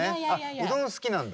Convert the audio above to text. うどん好きなんだ。